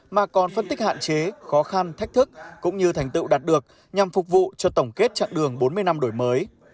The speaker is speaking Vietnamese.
mà còn phân tích hạn chế khó khăn thách thức cũng như thành tựu đạt được nhằm phục vụ cho tổng kết chặng đường bốn mươi năm đổi mới